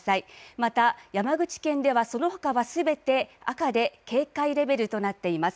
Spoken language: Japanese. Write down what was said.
また山口県ではそのほかはすべて赤で警戒レベルとなっています。